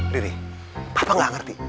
riri papa gak ngerti